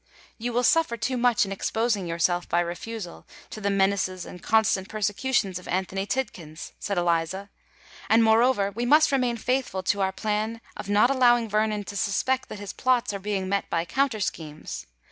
"You will suffer too much in exposing yourself, by refusal, to the menaces and constant persecutions of Anthony Tidkins," said Eliza; "and moreover, we must remain faithful to our plan of not allowing Vernon to suspect that his plots are being met by counter schemes.